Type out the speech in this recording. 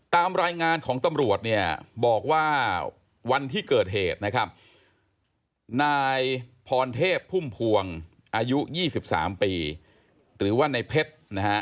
ตามรายงานของตำรวจบอกว่าวันที่เกิดเหตุนายพรเทพภุมภวงอายุ๒๓ปีหรือว่านายเพชร